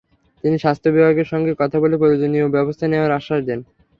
তিনি স্বাস্থ্য বিভাগের সঙ্গে কথা বলে প্রয়োজনীয় ব্যবস্থা নেওয়ার আশ্বাস দেন।